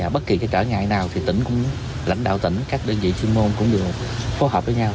bất kỳ trở ngại nào thì tỉnh cũng lãnh đạo tỉnh các đơn vị chuyên môn cũng đều phối hợp với nhau